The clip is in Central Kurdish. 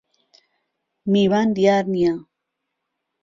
میوان دیار نییه